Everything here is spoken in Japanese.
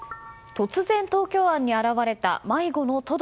突然、東京湾に現れた迷子のトド。